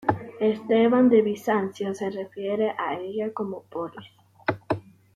Esteban de Bizancio se refiere a ella como polis.